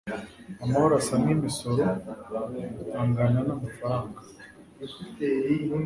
amahoro asa nk imisoro angana n amafaranga